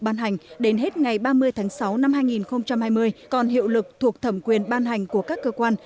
ban hành đến hết ngày ba mươi tháng sáu năm hai nghìn hai mươi còn hiệu lực thuộc thẩm quyền ban hành của các cơ quan